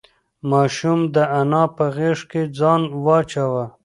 ماشوم د انا په غېږ کې ځان واچاوه.